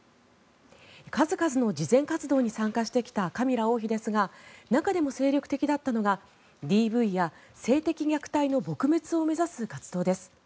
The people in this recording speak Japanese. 数々の慈善活動に参加してきたカミラ王妃ですが中でも精力的だったのがＤＶや性的虐待の撲滅を目指す活動です。